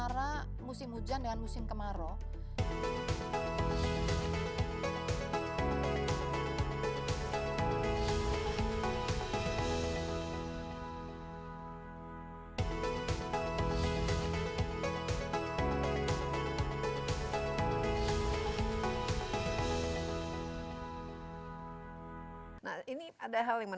yang sebetulnya sedang masuk tapi ini agak melemah